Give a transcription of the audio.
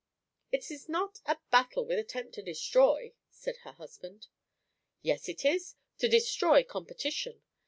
"It is not a battle with attempt to destroy," said her husband. "Yes, it is to destroy competition.